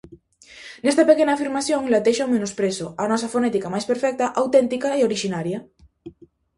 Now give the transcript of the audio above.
Nesta pequena afirmación latexa o menosprezo á nosa fonética máis perfecta, auténtica e orixinaria.